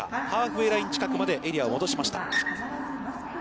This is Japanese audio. ハーフウェイライン近くまでエリアを戻しました。